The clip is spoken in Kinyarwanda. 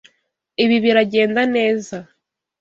Ibi biragenda neza.